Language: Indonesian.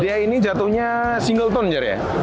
dia ini jatuhnya single tone jadi ya